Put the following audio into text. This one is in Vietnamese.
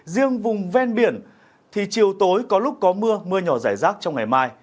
riêng vùng ven biển thì chiều tối có lúc có mưa mưa nhỏ rải rác trong ngày mai